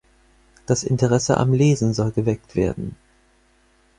Das Interesse am Lesen soll geweckt werden.